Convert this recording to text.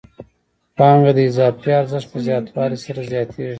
پانګه د اضافي ارزښت په زیاتوالي سره زیاتېږي